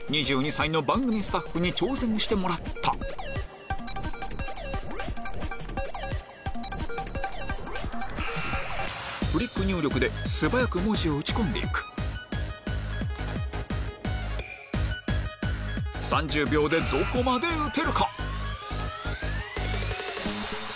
２２歳の番組スタッフに挑戦してもらったフリック入力で素早く文字を打ち込んで行く３０秒でどこまで打てるか？